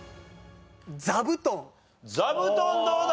座布団どうだ？